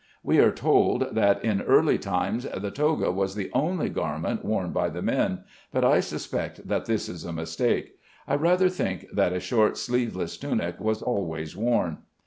We are told that in early times the toga was the only garment worn by the men, but I suspect that this is a mistake. I rather think that a short sleeveless tunic was always worn.